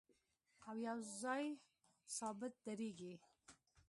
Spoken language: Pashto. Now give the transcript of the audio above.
او یو ځای ثابت درېږي